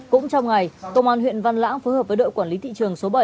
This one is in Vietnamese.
cũng trong ngày công an huyện văn lãng phối hợp với đội quản lý thị trường số bảy